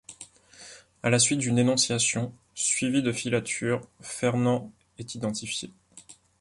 À la suite d'une dénonciation suivie de filatures, Fernand est identifié.